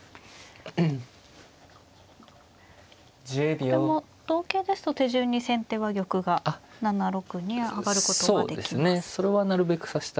これも同桂ですと手順に先手は玉が７六に上がることができます。